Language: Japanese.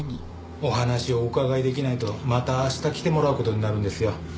お話をお伺いできないとまた明日来てもらう事になるんですよ。